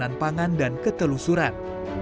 keamanan pangan dan ketelusuran